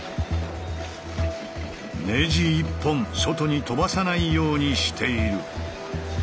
ネジ一本外に飛ばさないようにしている。